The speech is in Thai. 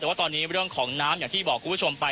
แต่ว่าตอนนี้เรื่องของน้ำอย่างที่บอกคุณผู้ชมไป